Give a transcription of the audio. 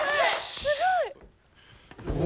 すごい！お！